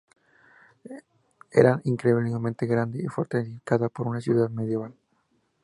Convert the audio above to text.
Era increíblemente grande y fortificada para una ciudad medieval.